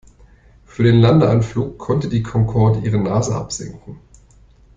Für den Landeanflug konnte die Concorde ihre Nase absenken.